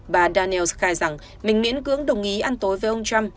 bà daniels khai rằng mình miễn cưỡng đồng ý ăn tối với ông trump